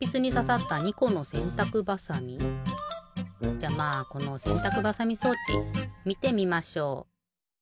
じゃまあこのせんたくばさみ装置みてみましょう！